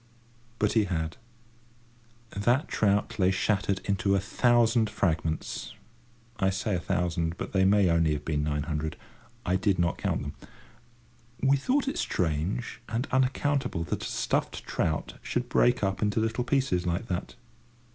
But he had. That trout lay shattered into a thousand fragments—I say a thousand, but they may have only been nine hundred. I did not count them. We thought it strange and unaccountable that a stuffed trout should break up into little pieces like that.